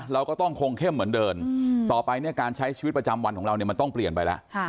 เราก็ต้องคงเข้มเหมือนเดิมต่อไปเนี่ยการใช้ชีวิตประจำวันของเราเนี่ยมันต้องเปลี่ยนไปแล้ว